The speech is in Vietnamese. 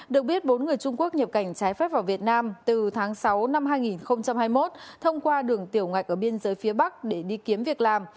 được biết bốn người trung quốc nhập cảnh trái phép vào việt nam từ tháng sáu năm hai nghìn hai mươi một thông qua đường tiểu ngạch ở biên giới phía bắc để đi kiếm việc làm